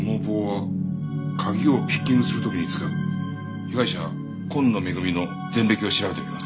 被害者今野恵の前歴を調べてみます。